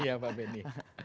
iya pak benny